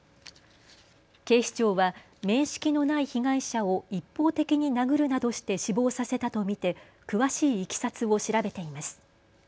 警視庁は面識のない被害者を一方的に殴るなどして死亡させたと見て詳しいいきさつを調べています。